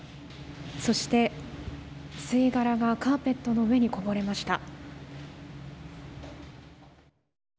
そして、吸い殻がカーペットの上にこぼれました。